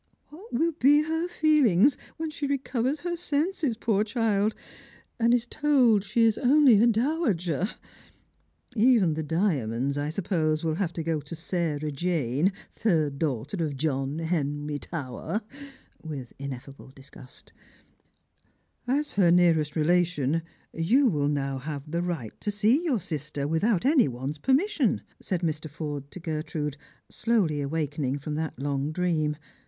What win be her feelings when she recovers her senses, poor child, and is told she is only a dowager ! Even the diamonds, I suppose, will have to go to Sarah Jane, third daughter of John Henry Towser " (with meffable disgust). Strangers and Pilgrims. uiil "As her uearest relation you will now have the right to see your sister without any one's permission," said Mi. Forde to Gertrude, slowly awakening from that long dream.